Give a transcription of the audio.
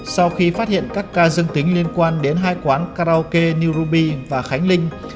sau khi phát hiện các ca dương tính liên quan đến hai quán karaoke new ruby và khánh linh